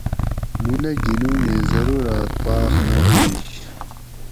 مُولہ گِھنوگیں ضروراۤت پاۤخ نہ ہُوئینش